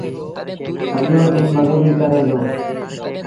سڄو ڏيٚݩهݩ مزوريٚ ڪري دو۔